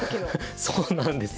そうなんです。